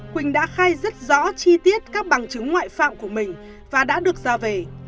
quỳnh đã khai rất rõ chi tiết các bằng chứng ngoại phạm của mình và đã được ra về